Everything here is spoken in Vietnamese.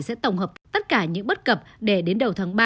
sẽ tổng hợp tất cả những bất cập để đến đầu tháng ba